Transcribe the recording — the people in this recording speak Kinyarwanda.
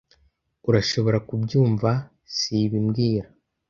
Urashobora kubyumva, sibi mbwira